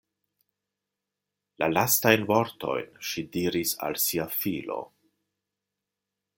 La lastajn vortojn ŝi diris al sia filo.